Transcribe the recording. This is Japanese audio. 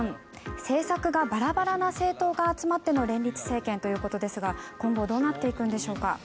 政策がバラバラな政党が集まっての連立政権ということですが今後どうなっていくんでしょうか。